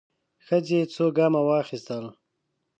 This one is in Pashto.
ښځې څو ګامه واخيستل.